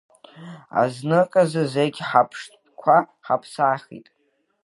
Азныказы зегьы ҳаԥштәқәа ҳаԥсахит.